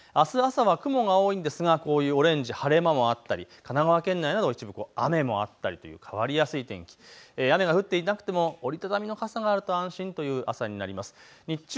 あす朝は雲が多いんですがオレンジ、晴れ間もあったり神奈川県内など一部雨もあったりという変わりやすい天気、雨が降っていなくても折り畳みの傘があると安心という朝になります。